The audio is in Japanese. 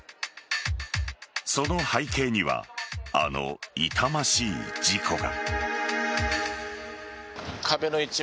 その背景にはあの痛ましい事故が。